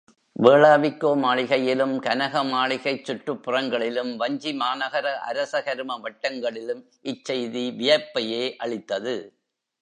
வேளாவிக்கோ மாளிகையிலும், கனகமாளிகைச் சுற்றுப் புறங்களிலும் வஞ்சிமாநகர அரச கரும வட்டங்களிலும் இச் செய்தி வியப்பையே அளித்தது.